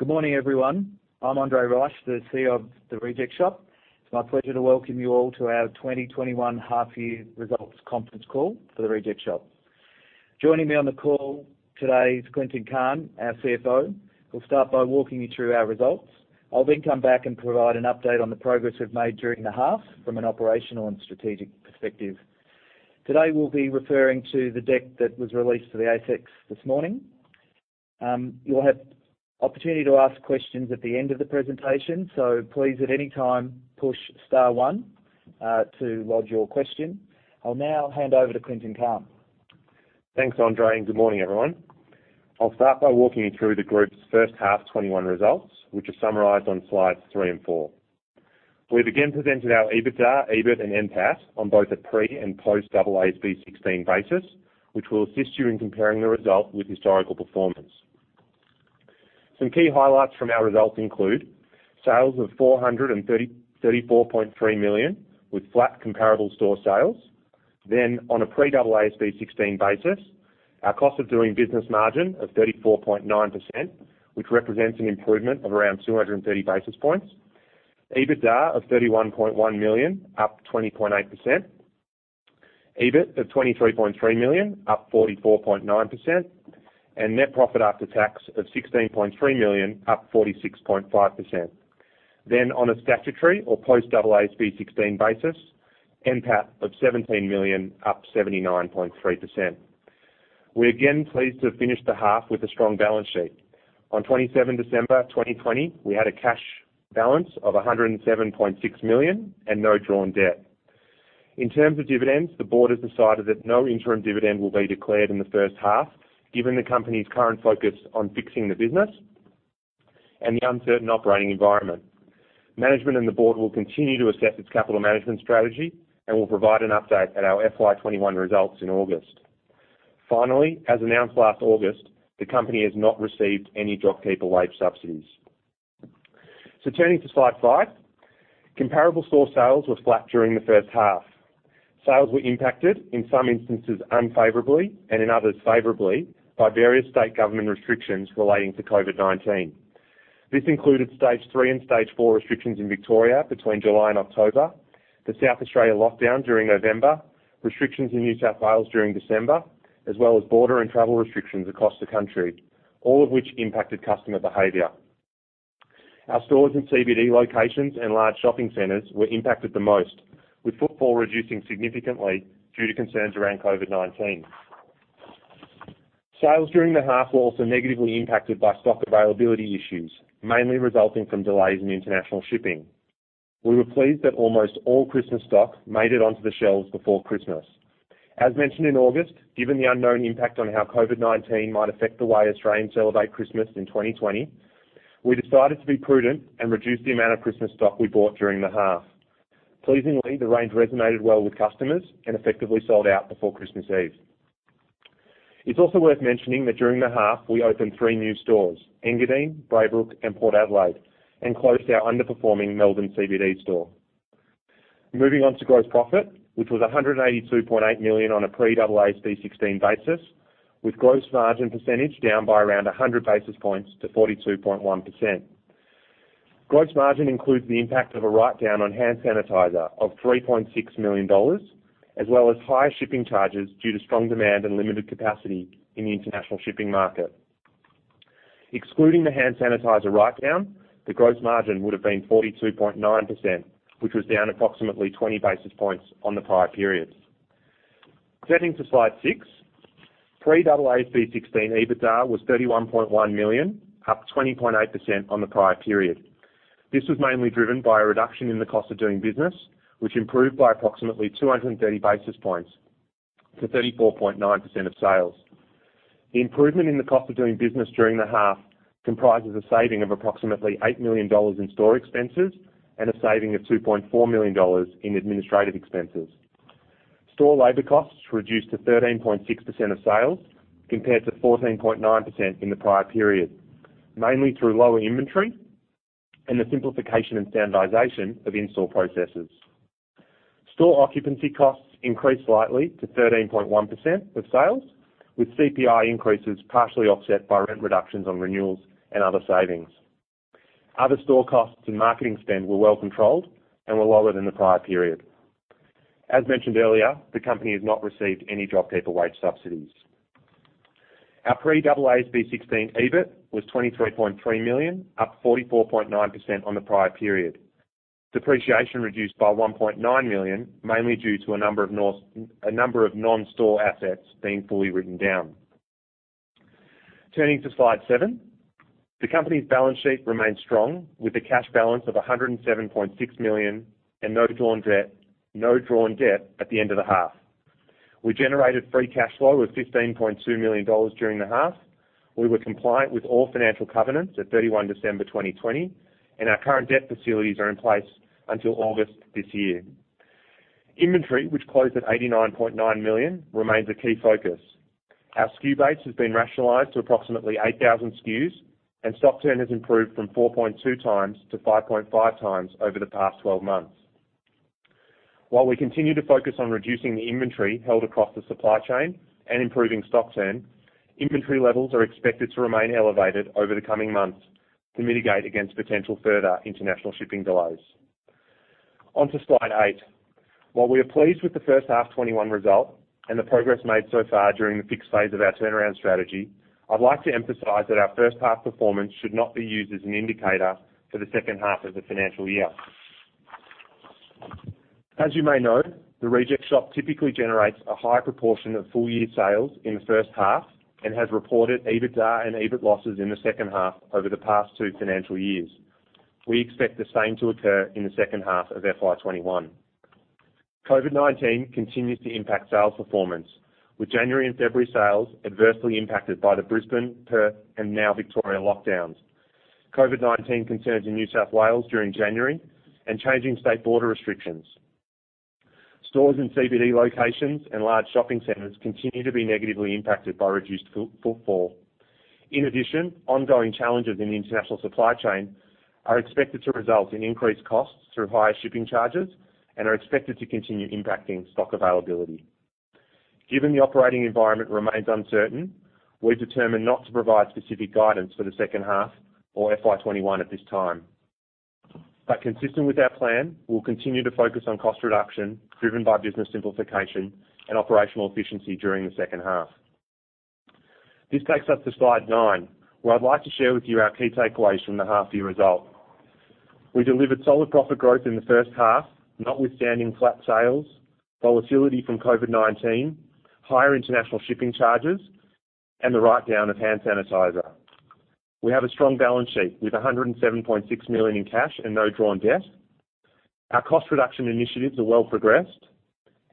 Good morning, everyone. I'm Andre Reich, the CEO of The Reject Shop. It's my pleasure to welcome you all to our 2021 half year results conference call for The Reject Shop. Joining me on the call today is Clinton Cahn, our CFO, who'll start by walking you through our results. I'll come back and provide an update on the progress we've made during the half from an operational and strategic perspective. Today, we'll be referring to the deck that was released to the ASX this morning. You will have opportunity to ask questions at the end of the presentation. Please, at any time, push star one to lodge your question. I'll now hand over to Clinton Cahn. Thanks, Andre. Good morning, everyone. I'll start by walking you through the group's first half 2021 results, which are summarized on slides three and four. We've again presented our EBITDA, EBIT and NPAT on both a pre- and post-AASB 16 basis, which will assist you in comparing the result with historical performance. Some key highlights from our results include sales of 434.3 million, with flat comparable store sales. On a pre-AASB 16 basis, our cost of doing business margin of 34.9%, which represents an improvement of around 230 basis points. EBITDA of 31.1 million, up 20.8%. EBIT of 23.3 million, up 44.9%, and net profit after tax of 16.3 million, up 46.5%. On a statutory or post-AASB 16 basis, NPAT of 17 million, up 79.3%. We are again pleased to have finished the half with a strong balance sheet. On 27 December 2020, we had a cash balance of 107.6 million and no drawn debt. In terms of dividends, the board has decided that no interim dividend will be declared in the first half, given the company's current focus on fixing the business and the uncertain operating environment. Management and the board will continue to assess its capital management strategy and will provide an update at our FY 2021 results in August. Finally, as announced last August, the company has not received any JobKeeper wage subsidies. Turning to slide five. Comparable store sales were flat during the first half. Sales were impacted, in some instances unfavorably and in others favorably, by various state government restrictions relating to COVID-19. This included Stage 3 and Stage 4 restrictions in Victoria between July and October, the South Australia lockdown during November, restrictions in New South Wales during December, as well as border and travel restrictions across the country, all of which impacted customer behavior. Our stores in CBD locations and large shopping centers were impacted the most, with footfall reducing significantly due to concerns around COVID-19. Sales during the half were also negatively impacted by stock availability issues, mainly resulting from delays in international shipping. We were pleased that almost all Christmas stock made it onto the shelves before Christmas. As mentioned in August, given the unknown impact on how COVID-19 might affect the way Australians celebrate Christmas in 2020, we decided to be prudent and reduce the amount of Christmas stock we bought during the half. Pleasingly, the range resonated well with customers and effectively sold out before Christmas Eve. It's also worth mentioning that during the half, we opened three new stores, Engadine, Braybrook, and Port Adelaide, and closed our underperforming Melbourne CBD store. Moving on to gross profit, which was 182.8 million on a pre-AASB 16 basis, with gross margin percentage down by around 100 basis points to 42.1%. Gross margin includes the impact of a write-down on hand sanitizer of 3.6 million dollars, as well as higher shipping charges due to strong demand and limited capacity in the international shipping market. Excluding the hand sanitizer write-down, the gross margin would've been 42.9%, which was down approximately 20 basis points on the prior period. Turning to slide six. Pre-AASB 16 EBITDA was 31.1 million, up 20.8% on the prior period. This was mainly driven by a reduction in the cost of doing business, which improved by approximately 230 basis points to 34.9% of sales. The improvement in the cost of doing business during the half comprises a saving of approximately 8 million dollars in store expenses and a saving of 2.4 million dollars in administrative expenses. Store labor costs reduced to 13.6% of sales, compared to 14.9% in the prior period, mainly through lower inventory and the simplification and standardization of in-store processes. Store occupancy costs increased slightly to 13.1% of sales, with CPI increases partially offset by rent reductions on renewals and other savings. Other store costs and marketing spend were well controlled and were lower than the prior period. As mentioned earlier, the company has not received any JobKeeper wage subsidies. Our pre-AASB 16 EBIT was 23.3 million, up 44.9% on the prior period. Depreciation reduced by 1.9 million, mainly due to a number of non-store assets being fully written down. Turning to slide seven. The company's balance sheet remains strong with a cash balance of 107.6 million and no drawn debt at the end of the half. We generated free cash flow of 15.2 million dollars during the half. We were compliant with all financial covenants at 31 December 2020. Our current debt facilities are in place until August this year. Inventory, which closed at 89.9 million, remains a key focus. Our SKU base has been rationalized to approximately 8,000 SKUs, and stock turn has improved from 4.2x to 5.5x over the past 12 months. While we continue to focus on reducing the inventory held across the supply chain and improving stock turn, inventory levels are expected to remain elevated over the coming months to mitigate against potential further international shipping delays. On to slide eight. While we are pleased with the first half 2021 result and the progress made so far during the fixed phase of our turnaround strategy, I'd like to emphasize that our first half performance should not be used as an indicator for the second half of the financial year. As you may know, The Reject Shop typically generates a high proportion of full-year sales in the first half and has reported EBITDA and EBIT losses in the second half over the past two financial years. We expect the same to occur in the second half of FY 2021. COVID-19 continues to impact sales performance, with January and February sales adversely impacted by the Brisbane, Perth, and now Victoria lockdowns, and COVID-19 concerns in New South Wales during January and changing state border restrictions. Stores in CBD locations and large shopping centers continue to be negatively impacted by reduced footfall. In addition, ongoing challenges in the international supply chain are expected to result in increased costs through higher shipping charges and are expected to continue impacting stock availability. Given the operating environment remains uncertain, we've determined not to provide specific guidance for the second half or FY 2021 at this time. Consistent with our plan, we'll continue to focus on cost reduction driven by business simplification and operational efficiency during the second half. This takes us to slide nine, where I'd like to share with you our key takeaways from the half year result. We delivered solid profit growth in the first half, notwithstanding flat sales, volatility from COVID-19, higher international shipping charges, and the write-down of hand sanitizer. We have a strong balance sheet with 107.6 million in cash and no drawn debt. Our cost reduction initiatives are well progressed,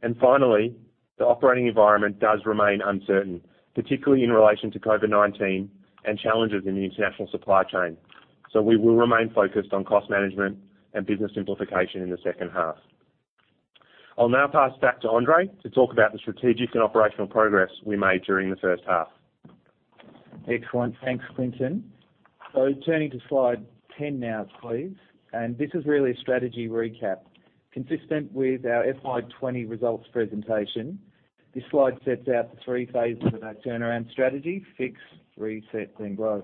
and finally, the operating environment does remain uncertain, particularly in relation to COVID-19 and challenges in the international supply chain. We will remain focused on cost management and business simplification in the second half. I'll now pass back to Andre to talk about the strategic and operational progress we made during the first half. Excellent. Thanks, Clinton. So turning to slide 10 now, please. This is really a strategy recap. Consistent with our FY 2020 results presentation, this slide sets out the three phases of our turnaround strategy, fix, reset, and grow.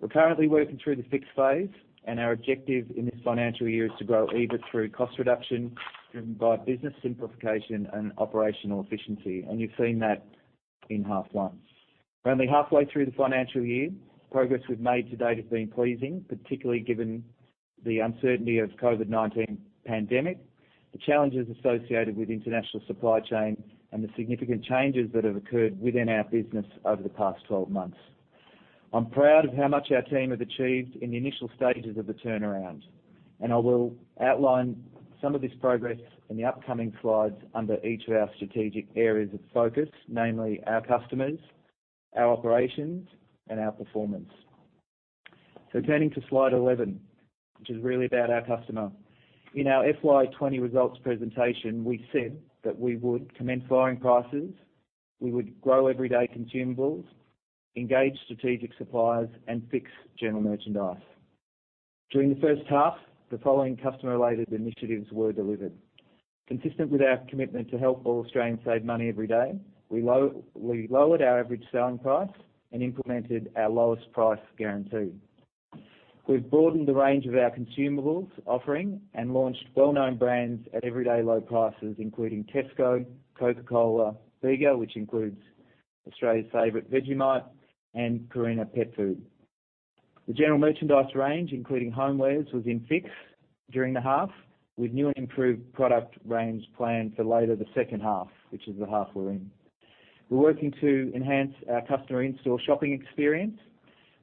We're currently working through the fix phase, and our objective in this financial year is to grow EBIT through cost reduction driven by business simplification and operational efficiency. You've seen that in half one. We're only halfway through the financial year. The progress we've made to date has been pleasing, particularly given the uncertainty of COVID-19 pandemic, the challenges associated with international supply chain, and the significant changes that have occurred within our business over the past 12 months. I'm proud of how much our team have achieved in the initial stages of the turnaround, and I will outline some of this progress in the upcoming slides under each of our strategic areas of focus, namely our customers, our operations, and our performance. Turning to slide 11, which is really about our customer. In our FY 2020 results presentation, we said that we would commence lowering prices, we would grow everyday consumables, engage strategic suppliers, and fix general merchandise. During the first half, the following customer-related initiatives were delivered. Consistent with our commitment to help all Australians save money every day, we lowered our average selling price and implemented our lowest price guarantee. We've broadened the range of our consumables offering and launched well-known brands at everyday low prices, including Tesco, Coca-Cola, Bega, which includes Australia's favorite Vegemite, and Purina pet food. The general merchandise range, including homewares, was in flux during the half with new and improved product range planned for later the second half, which is the half we're in. We're working to enhance our customer in-store shopping experience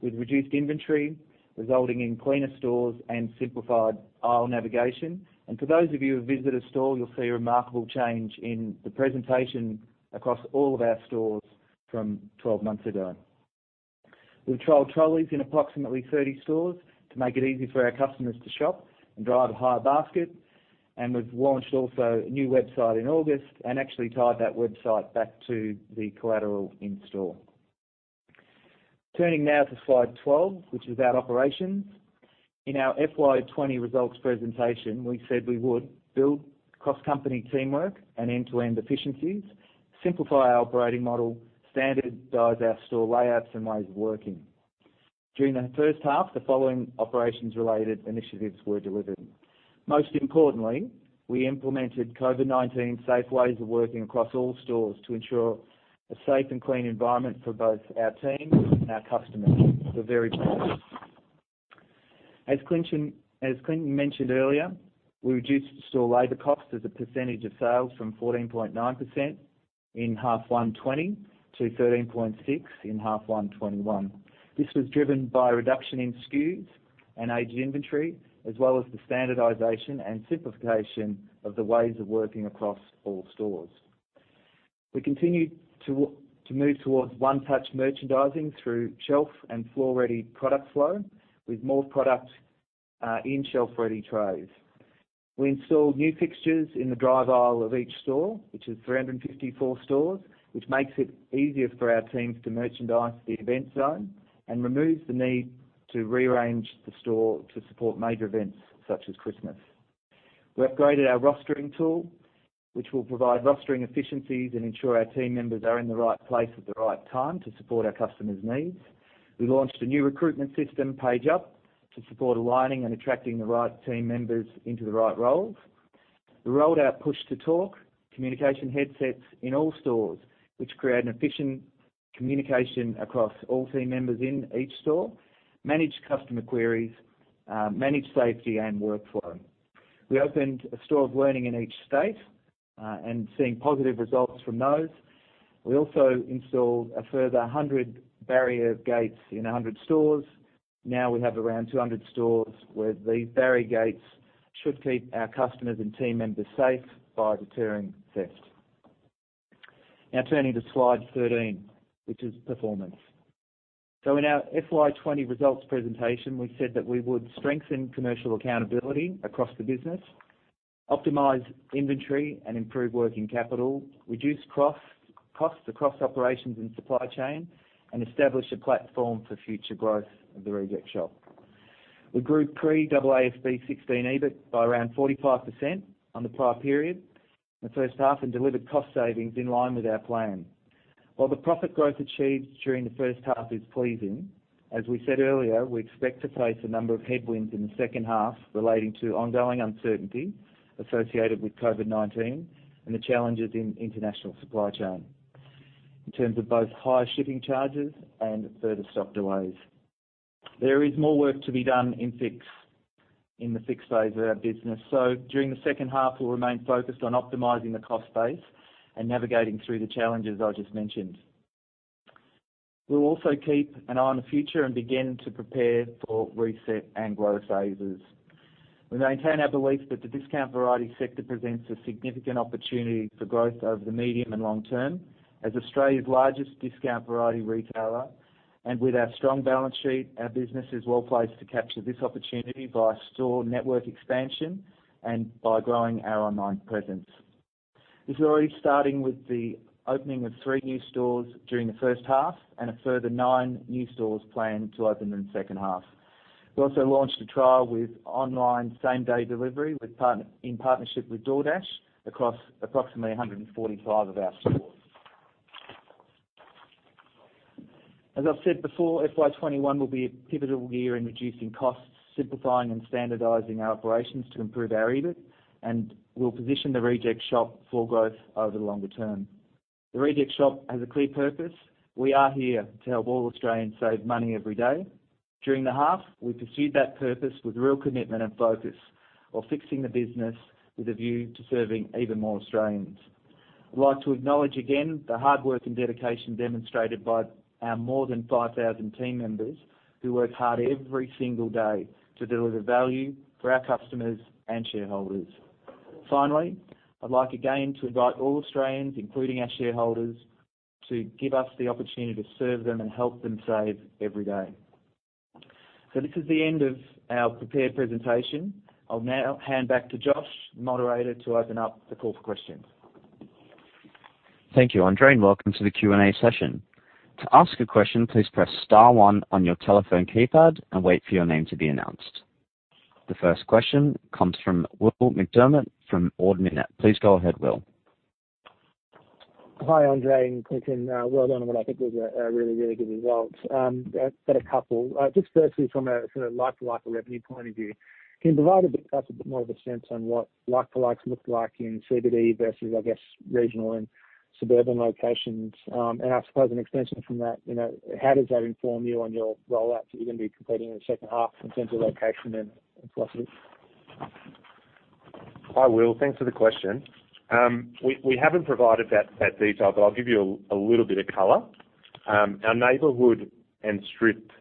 with reduced inventory, resulting in cleaner stores and simplified aisle navigation. For those of you who visit a store, you'll see a remarkable change in the presentation across all of our stores from 12 months ago. We trialed trolleys in approximately 30 stores to make it easy for our customers to shop and drive a higher basket, and we've launched also a new website in August and actually tied that website back to the collateral in-store. Turning now to slide 12, which is our operations. In our FY 2020 results presentation, we said we would build cross-company teamwork and end-to-end efficiencies, simplify our operating model, standardize our store layouts and ways of working. During the first half, the following operations-related initiatives were delivered. Most importantly, we implemented COVID-19 safe ways of working across all stores to ensure a safe and clean environment for both our team and our customers. They're very important. As Clinton mentioned earlier, we reduced store labor cost as a percentage of sales from 14.9% in half 1 2020 to 13.6% in half one 2021. This was driven by a reduction in SKUs and aged inventory, as well as the standardization and simplification of the ways of working across all stores. We continued to move towards one-touch merchandising through shelf and floor-ready product flow with more product in shelf-ready trays. We installed new fixtures in the drive aisle of each store, which is 354 stores, which makes it easier for our teams to merchandise the event zone and removes the need to rearrange the store to support major events such as Christmas. We upgraded our rostering tool, which will provide rostering efficiencies and ensure our team members are in the right place at the right time to support our customers' needs. We launched a new recruitment system, PageUp, to support aligning and attracting the right team members into the right roles. We rolled out push-to-talk communication headsets in all stores, which create an efficient communication across all team members in each store, manage customer queries, manage safety and workflow. We opened a store of learning in each state and seeing positive results from those. We also installed a further 100 barrier gates in 100 stores. We have around 200 stores where these barrier gates should keep our customers and team members safe by deterring theft. Turning to slide 13, which is performance. In our FY 2020 results presentation, we said that we would strengthen commercial accountability across the business, optimize inventory, and improve working capital, reduce costs across operations and supply chain, and establish a platform for future growth of The Reject Shop. We grew pre-AASB 16 EBIT by around 45% on the prior period, the first half, and delivered cost savings in line with our plan. While the profit growth achieved during the first half is pleasing, as we said earlier, we expect to face a number of headwinds in the second half relating to ongoing uncertainty associated with COVID-19 and the challenges in international supply chain in terms of both higher shipping charges and further stock delays. There is more work to be done in the Fix phase of our business. During the second half, we'll remain focused on optimizing the cost base and navigating through the challenges I just mentioned. We'll also keep an eye on the future and begin to prepare for reset and growth phases. We maintain our belief that the discount variety sector presents a significant opportunity for growth over the medium and long term. As Australia's largest discount variety retailer and with our strong balance sheet, our business is well-placed to capture this opportunity via store network expansion and by growing our online presence. This is already starting with the opening of three new stores during the first half and a further nine new stores planned to open in the second half. We also launched a trial with online same-day delivery in partnership with DoorDash across approximately 145 of our stores. As I've said before, FY 2021 will be a pivotal year in reducing costs, simplifying and standardizing our operations to improve our EBIT. We'll position The Reject Shop for growth over the longer term. The Reject Shop has a clear purpose. We are here to help all Australians save money every day. During the half, we pursued that purpose with real commitment and focus while fixing the business with a view to serving even more Australians. I'd like to acknowledge again the hard work and dedication demonstrated by our more than 5,000 team members who work hard every single day to deliver value for our customers and shareholders. Finally, I'd like again to invite all Australians, including our shareholders, to give us the opportunity to serve them and help them save every day. This is the end of our prepared presentation. I'll now hand back to Josh, the moderator, to open up the call for questions. Thank you, Andre, and welcome to the Q&A session. To ask a question, please press star one on your telephone keypad and wait for your name to be announced. The first question comes from Will MacDiarmid from Ord Minnett. Please go ahead, Will. Hi, Andre and Clinton. Well done on what I think was a really, really good result. I've got a couple. Firstly, from a like-for-like revenue point of view, can you provide us a bit more of a sense on what like-for-likes looked like in CBD versus, I guess, regional and suburban locations? I suppose an extension from that, how does that inform you on your rollouts that you're going to be completing in the second half in terms of location and philosophy? Hi, Will. Thanks for the question. We haven't provided that detail, but I'll give you a little bit of color. Our neighborhood and strip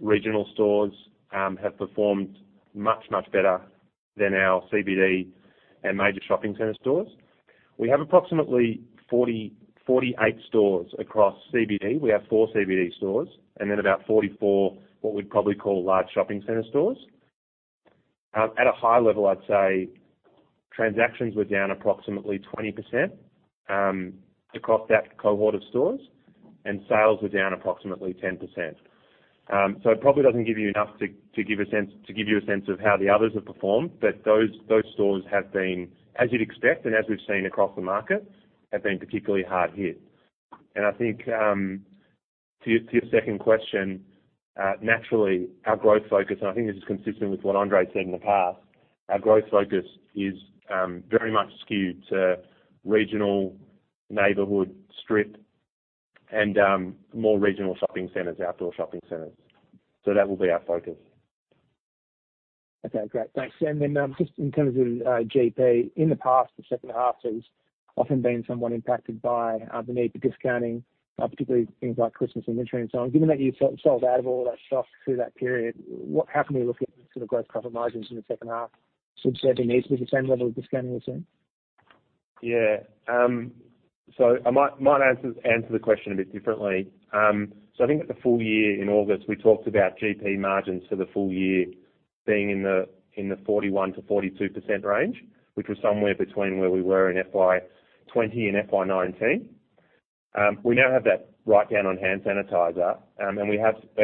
regional stores have performed much, much better than our CBD and major shopping center stores. We have approximately 48 stores across CBD. We have four CBD stores and then about 44, what we'd probably call large shopping center stores. At a high level, I'd say transactions were down approximately 20% across that cohort of stores, and sales were down approximately 10%. It probably doesn't give you enough to give you a sense of how the others have performed. Those stores have been, as you'd expect and as we've seen across the market, have been particularly hard hit. I think to your second question, naturally, our growth focus, and I think this is consistent with what Andre said in the past, our growth focus is very much skewed to regional, neighborhood, strip, and more regional shopping centers, outdoor shopping centers. That will be our focus. Okay, great. Thanks. Just in terms of GP, in the past, the second half has often been somewhat impacted by the need for discounting, particularly things like Christmas inventory and so on. Given that you sold out of all that stock through that period, how can we look at the sort of gross profit margins in the second half? Should there be the same level of discounting, you think? Yeah. I might answer the question a bit differently. I think at the full year in August, we talked about GP margins for the full year being in the 41%-42% range, which was somewhere between where we were in FY 2020 and FY 2019. We now have that write-down on hand sanitizer.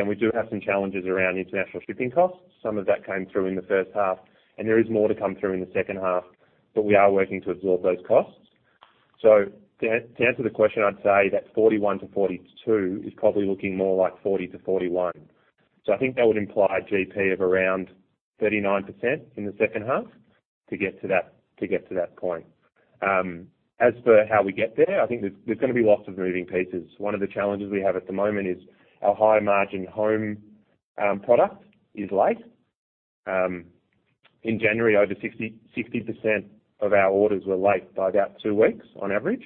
We do have some challenges around international shipping costs. Some of that came through in the first half, and there is more to come through in the second half, but we are working to absorb those costs. To answer the question, I'd say that 41%-42% is probably looking more like 40%-41%. I think that would imply GP of around 39% in the second half to get to that point. As for how we get there, I think there's going to be lots of moving pieces. One of the challenges we have at the moment is our high-margin home product is late. In January, over 60% of our orders were late by about two weeks on average.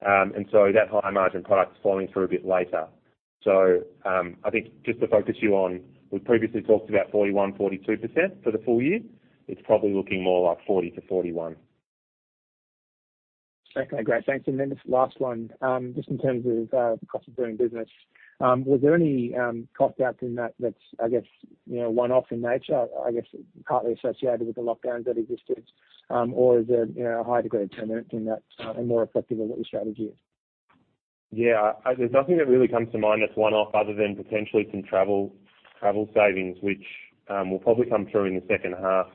That high-margin product's falling through a bit later. I think just to focus you on, we've previously talked about 41%, 42% for the full year. It's probably looking more like 40%-41%. Okay, great. Thanks. Then just last one, just in terms of the cost of doing business. Was there any cost out in that that's, I guess, one-off in nature, I guess partly associated with the lockdowns that existed, or is it a high degree of permanence in that and more reflective of what your strategy is? There's nothing that really comes to mind that's one-off other than potentially some travel savings, which will probably come through in the second half.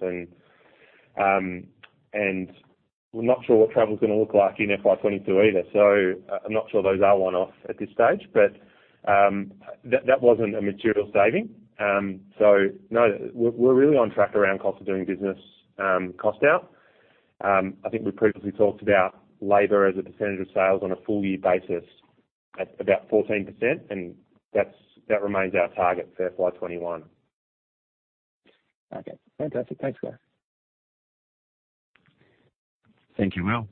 We're not sure what travel's going to look like in FY 2022 either. I'm not sure those are one-off at this stage. That wasn't a material saving. No, we're really on track around cost of doing business cost out. I think we previously talked about labor as a percentage of sales on a full-year basis at about 14%, and that remains our target for FY 2021. Okay, fantastic. Thanks, guys. Thank you, Will.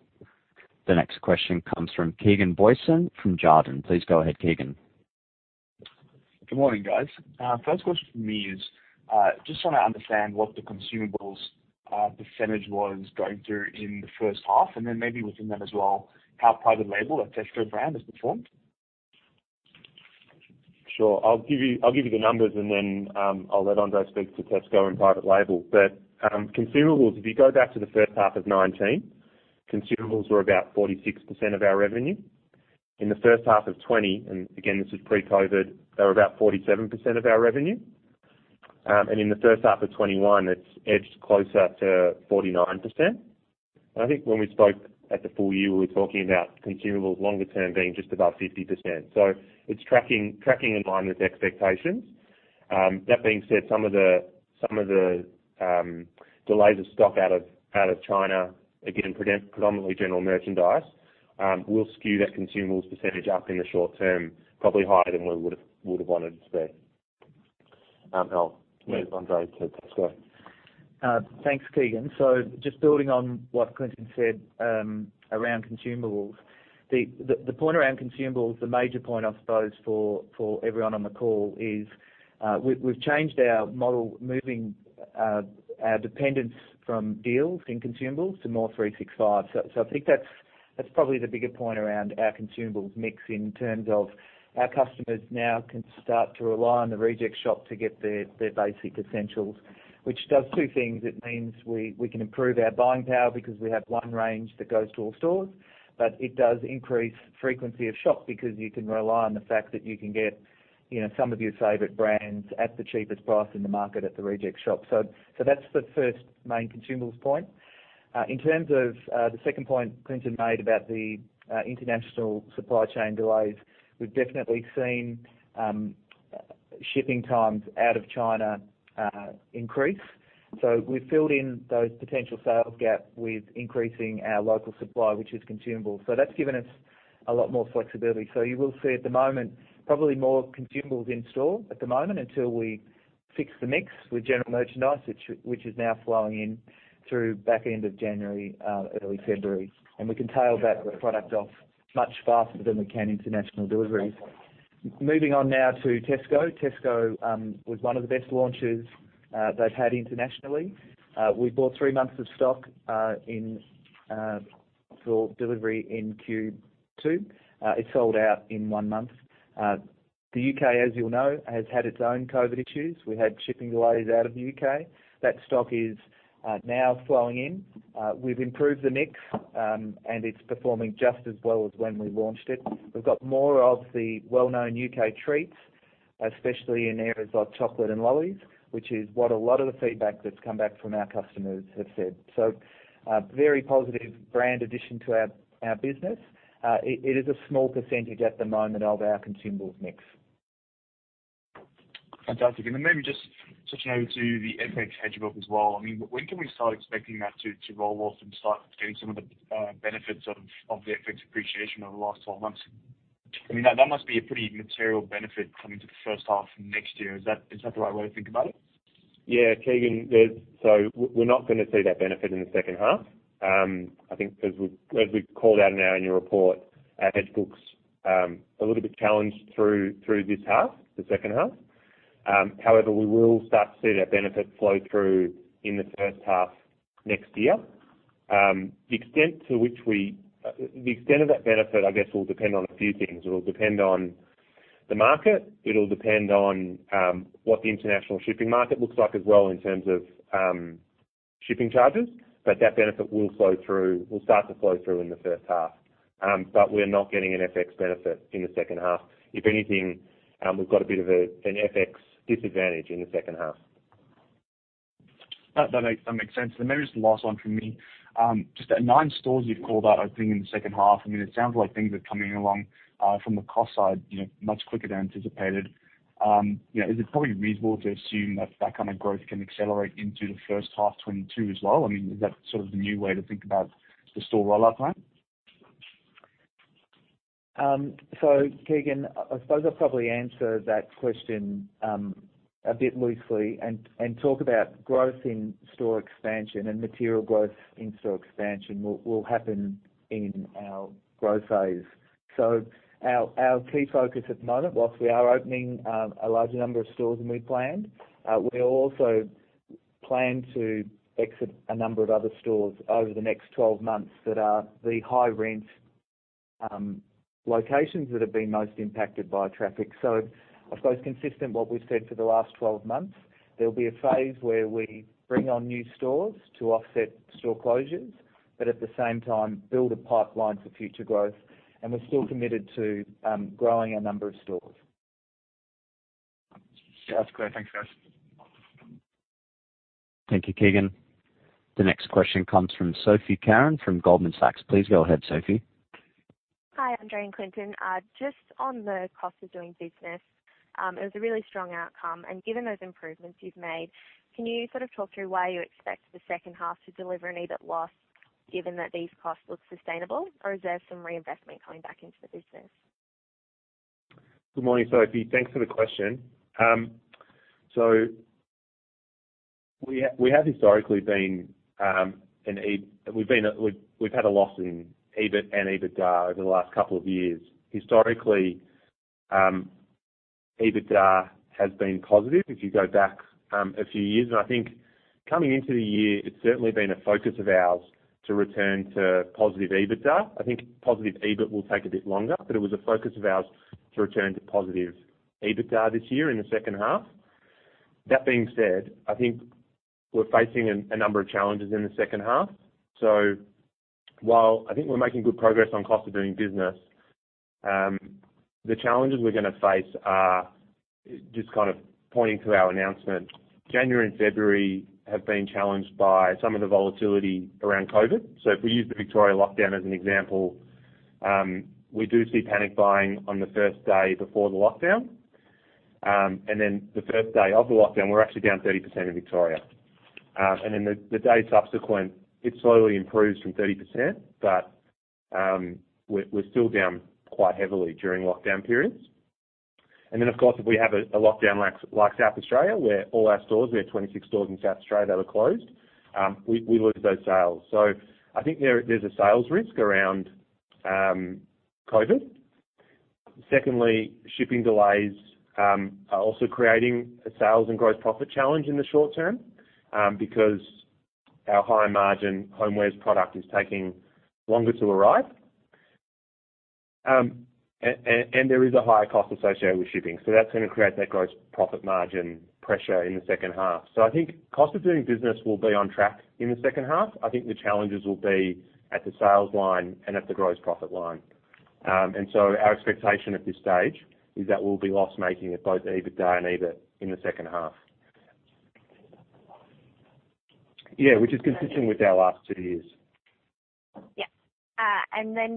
The next question comes from Keegan Boysen from Jarden. Please go ahead, Keegan. Good morning, guys. First question from me is, just want to understand what the consumables percentage was going through in the first half, and then maybe within that as well, how private label at Tesco brand has performed. Sure. I'll give you the numbers and then I'll let Andre speak to Tesco and private label. Consumables, if you go back to the first half of 2019, consumables were about 46% of our revenue. In the first half of 2020, and again, this is pre-COVID, they were about 47% of our revenue. In the first half of 2021, it's edged closer to 49%. I think when we spoke at the full year, we were talking about consumables longer term being just above 50%. It's tracking in line with expectations. That being said, some of the delays of stock out of China, again, predominantly general merchandise, will skew that consumables percentage up in the short term, probably higher than we would've wanted it to be. I'll leave Andre to Tesco. Thanks, Keegan. Just building on what Clinton said around consumables. The point around consumables, the major point I suppose for everyone on the call is, we've changed our model, moving our dependence from deals in consumables to more 365. I think that's probably the bigger point around our consumables mix in terms of our customers now can start to rely on The Reject Shop to get their basic essentials, which does two things. It means we can improve our buying power because we have one range that goes to all stores, but it does increase frequency of shop because you can rely on the fact that you can get some of your favorite brands at the cheapest price in the market at The Reject Shop. That's the first main consumables point. In terms of the second point Clinton made about the international supply chain delays, we've definitely seen shipping times out of China increase. We've filled in those potential sales gap with increasing our local supply, which is consumable. That's given us a lot more flexibility. You will see at the moment, probably more consumables in store at the moment until we fix the mix with general merchandise, which is now flowing in through back end of January, early February. We can tail that product off much faster than we can international deliveries. Moving on now to Tesco. Tesco was one of the best launches they've had internationally. We bought three months of stock in for delivery in Q2. It sold out in one month. The U.K., as you'll know, has had its own COVID-19 issues. We had shipping delays out of the U.K. That stock is now flowing in. We've improved the mix. It's performing just as well as when we launched it. We've got more of the well-known U.K. treats, especially in areas like chocolate and lollies, which is what a lot of the feedback that's come back from our customers have said. A very positive brand addition to our business. It is a small percentage at the moment of our consumables mix. Fantastic. Maybe just switching over to the FX hedge book as well. I mean, when can we start expecting that to roll off and start getting some of the benefits of the FX appreciation over the last 12 months? I mean, that must be a pretty material benefit coming to the first half of next year. Is that the right way to think about it? Yeah, Keegan. We're not going to see that benefit in the second half. I think as we called out in our annual report, our hedge book's a little bit challenged through this half, the second half. However, we will start to see that benefit flow through in the first half next year. The extent of that benefit, I guess, will depend on a few things. It'll depend on the market, it'll depend on what the international shipping market looks like as well in terms of shipping charges. That benefit will start to flow through in the first half. We're not getting an FX benefit in the second half. If anything, we've got a bit of an FX disadvantage in the second half. That makes sense. Maybe just the last one from me. Just at nine stores you've called out, I think, in the second half. It sounds like things are coming along from the cost side much quicker than anticipated. Is it probably reasonable to assume that kind of growth can accelerate into the first half 2022 as well? Is that sort of the new way to think about the store rollout plan? Keegan, I suppose I'll probably answer that question a bit loosely and talk about growth in store expansion and material growth in store expansion will happen in our growth phase. Our key focus at the moment, while we are opening a larger number of stores than we'd planned, we also plan to exit a number of other stores over the next 12 months that are the high-rent locations that have been most impacted by traffic. I suppose consistent with what we've said for the last 12 months, there'll be a phase where we bring on new stores to offset store closures, but at the same time, build a pipeline for future growth. We're still committed to growing our number of stores. Yeah, that's clear. Thanks, guys. Thank you, Keegan. The next question comes from Sophie Carran from Goldman Sachs. Please go ahead, Sophie. Hi Andre and Clinton. Just on the cost of doing business, it was a really strong outcome. Given those improvements you've made, can you sort of talk through why you expect the second half to deliver an EBIT loss given that these costs look sustainable? Is there some reinvestment coming back into the business? Good morning, Sophie. Thanks for the question. We've had a loss in EBIT and EBITDA over the last couple of years. Historically, EBITDA has been positive if you go back a few years. I think coming into the year, it's certainly been a focus of ours to return to positive EBITDA. I think positive EBIT will take a bit longer, but it was a focus of ours to return to positive EBITDA this year in the second half. That being said, I think we're facing a number of challenges in the second half. While I think we're making good progress on cost of doing business, the challenges we're going to face are just kind of pointing to our announcement. January and February have been challenged by some of the volatility around COVID. If we use the Victoria lockdown as an example, we do see panic buying on the first day before the lockdown. The first day of the lockdown, we're actually down 30% in Victoria. The day subsequent, it slowly improves from 30%, but we're still down quite heavily during lockdown periods. Of course, if we have a lockdown like South Australia, where all our stores, we had 26 stores in South Australia that were closed, we lose those sales. I think there's a sales risk around COVID. Secondly, shipping delays are also creating a sales and gross profit challenge in the short term, because our high-margin homewares product is taking longer to arrive. There is a higher cost associated with shipping. That's going to create that gross profit margin pressure in the second half. I think cost of doing business will be on track in the second half. I think the challenges will be at the sales line and at the gross profit line. Our expectation at this stage is that we'll be loss-making at both EBITDA and EBIT in the second half. Yeah, which is consistent with our last two years. Yeah.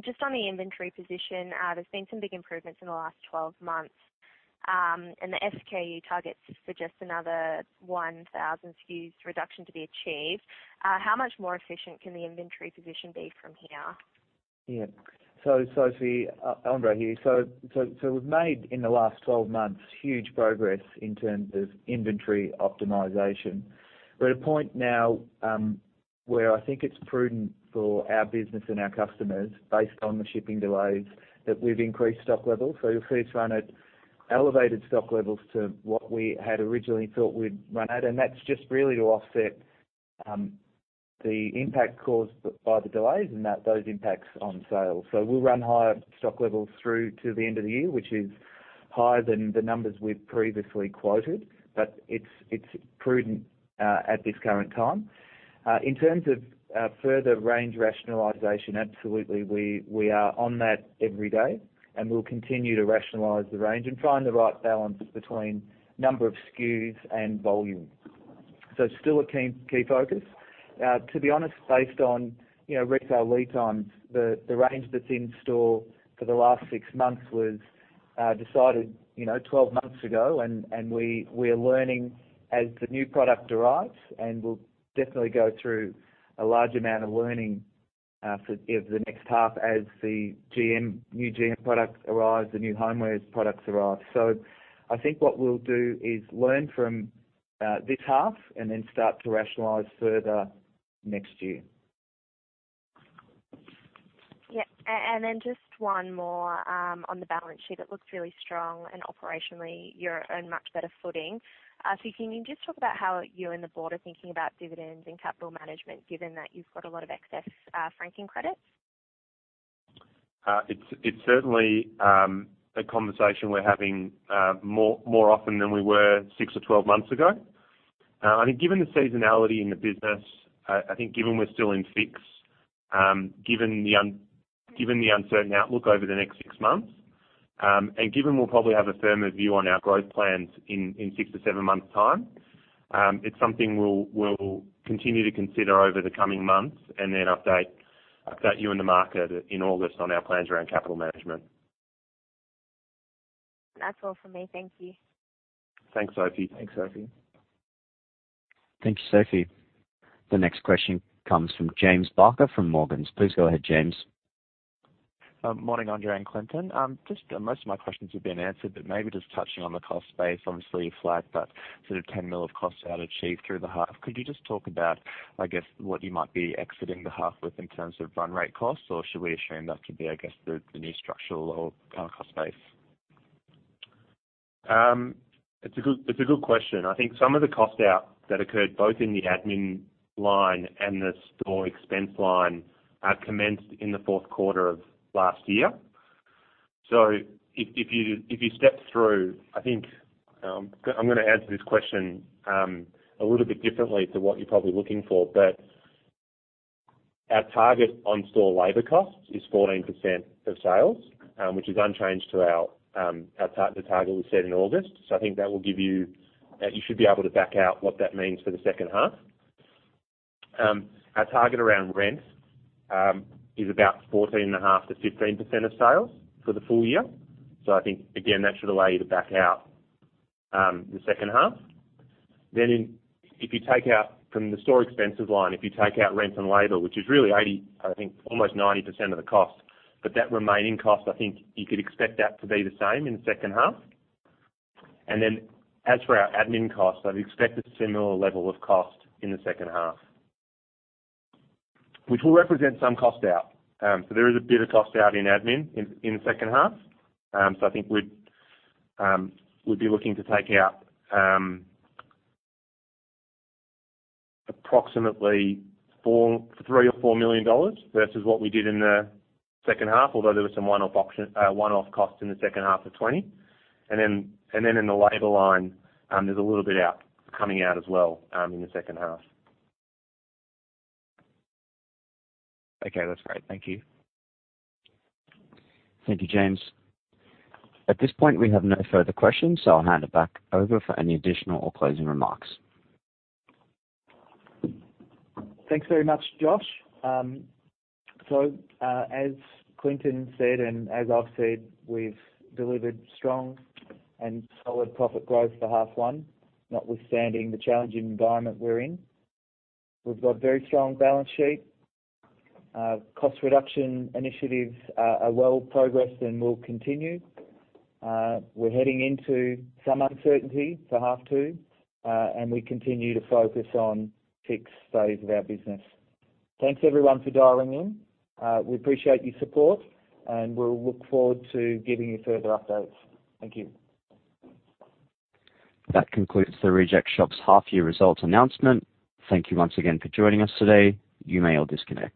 Just on the inventory position, there's been some big improvements in the last 12 months. The SKU targets suggest another 1,000 SKUs reduction to be achieved. How much more efficient can the inventory position be from here? Yeah. Sophie, Andre here. We've made in the last 12 months, huge progress in terms of inventory optimization. We're at a point now where I think it's prudent for our business and our customers, based on the shipping delays, that we've increased stock levels. You'll see us run at elevated stock levels to what we had originally thought we'd run at, and that's just really to offset the impact caused by the delays and those impacts on sales. We'll run higher stock levels through to the end of the year, which is higher than the numbers we've previously quoted, but it's prudent at this current time. In terms of further range rationalization, absolutely, we are on that every day, and we'll continue to rationalize the range and find the right balance between number of SKUs and volume. Still a key focus. To be honest, based on retail lead times, the range that's in store for the last six months was decided 12 months ago. We're learning as the new product arrives. We'll definitely go through a large amount of learning for the next half as the new GM products arrive, the new homewares products arrive. I think what we'll do is learn from this half and then start to rationalize further next year. Yeah. Just one more on the balance sheet. It looks really strong and operationally you're on much better footing. Can you just talk about how you and the board are thinking about dividends and capital management given that you've got a lot of excess franking credits? It's certainly a conversation we're having more often than we were six or 12 months ago. I think given the seasonality in the business, I think given we're still in FY 2020, given the uncertain outlook over the next six months, and given we'll probably have a firmer view on our growth plans in six or seven months' time, it's something we'll continue to consider over the coming months, and then update you and the market in August on our plans around capital management. That's all for me. Thank you. Thanks, Sophie. Thanks, Sophie. Thank you, Sophie. The next question comes from James Barker from Morgans. Please go ahead, James. Morning, Andre and Clinton. Most of my questions have been answered, maybe just touching on the cost base, obviously you flagged that sort of 10 million of costs out achieved through the half. Could you just talk about, I guess, what you might be exiting the half with in terms of run rate costs? Should we assume that to be, I guess, the new structural or cost base? It's a good question. I think some of the cost out that occurred both in the admin line and the store expense line, commenced in the fourth quarter of last year. If you step through, I think I'm going to answer this question a little bit differently to what you're probably looking for. Our target on store labor costs is 14% of sales, which is unchanged to the target we set in August. I think that will give you. You should be able to back out what that means for the second half. Our target around rent is about 14.5%-15% of sales for the full year. I think, again, that should allow you to back out the second half. If you take out from the store expenses line, if you take out rent and labor, which is really 80%, I think almost 90% of the cost, but that remaining cost, I think you could expect that to be the same in the second half. As for our admin costs, I'd expect a similar level of cost in the second half, which will represent some cost out. There is a bit of cost out in admin in the second half. I think we'd be looking to take out approximately 3 million or 4 million dollars versus what we did in the second half, although there was some one-off costs in the second half of 2020. In the labor line, there's a little bit coming out as well in the second half. Okay, that's great. Thank you. Thank you, James. At this point, we have no further questions, so I'll hand it back over for any additional or closing remarks. Thanks very much, Josh. As Clinton said, and as I've said, we've delivered strong and solid profit growth for half one, notwithstanding the challenging environment we're in. We've got a very strong balance sheet. Cost reduction initiatives are well progressed and will continue. We're heading into some uncertainty for half two. We continue to focus on fix phase of our business. Thanks everyone for dialing in. We appreciate your support and we'll look forward to giving you further updates. Thank you. That concludes The Reject Shop's half year results announcement. Thank you once again for joining us today. You may all disconnect.